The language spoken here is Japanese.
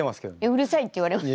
「うるさい」って言われます。